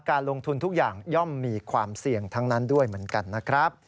การลงทุนทุกอย่างย่อมมีความเสี่ยงทั้งนั้นด้วยเหมือนกันนะครับ